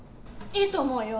いいと思うよ！